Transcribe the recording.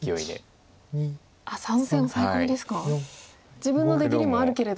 自分の出切りもあるけれど。